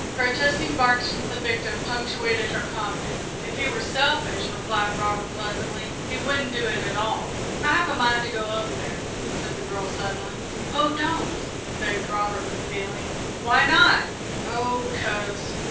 Protesting barks from the victim punctuated her comment. "If he were selfish," replied Robert, pleasantly, "he wouldn't do it at all." "I have a mind to go over there," said the girl, suddenly. "Oh, don't!" begged Robert, with feeling. "Why not?" "Oh because."